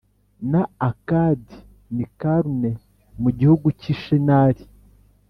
na Akadi n i Kalune mu gihugu cy i Shinari